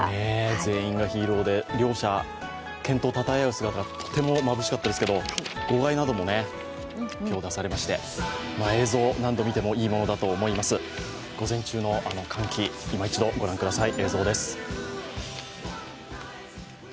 全員がヒーローで両者、健闘をたたえ合う姿がとてもまぶしかったですけど、号外なども今日出されまして映像、何度見てもいいものだと思います、午前中の歓喜、いま一度ご覧ください。